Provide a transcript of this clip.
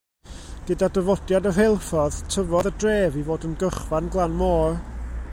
Gyda dyfodiad y rheilffordd, tyfodd y dref i fod yn gyrchfan glan môr.